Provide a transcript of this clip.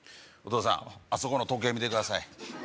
お義父さんあそこの時計見てください